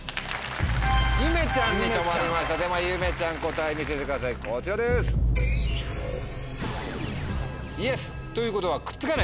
ゆめちゃんに止まりましたではゆめちゃん答え見せてくださいこちらです。ということはくっつかない？